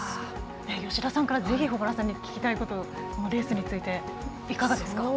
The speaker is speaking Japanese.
吉田さんからぜひ保原さんに聞きたいことレースについて、いかがですか？